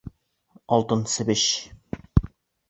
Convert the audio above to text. Алтын себеш